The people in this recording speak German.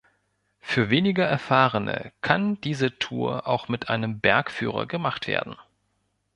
Für weniger Erfahrene kann diese Tour auch mit einem Bergführer gemacht werden.